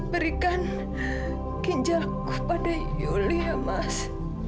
berikan ginjalku pada yulia mas